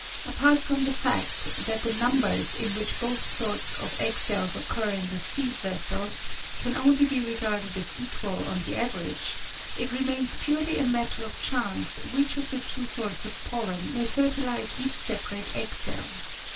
1 Apart from the fact that the numbers in which both sorts of egg cells occur in the seed vessels can only be regarded as equal on the average, it remains purely a matter of chance which of the two sorts of pollen may fertilise each separate egg cell.